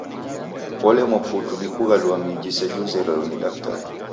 Olemwa putu ni kughalua miji seji uzerelo ni daktari.